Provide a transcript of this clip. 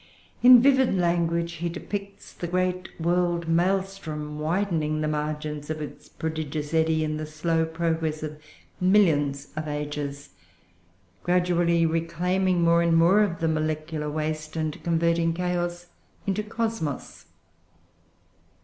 In vivid language he depicts the great world maelstrom, widening the margins of its prodigious eddy in the slow progress of millions of ages, gradually reclaiming more and more of the molecular waste, and converting chaos into cosmos.